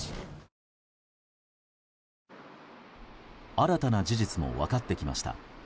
新たな事実も分かってきました。